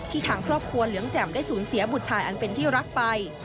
ทางครอบครัวเหลืองแจ่มได้สูญเสียบุตรชายอันเป็นที่รักไป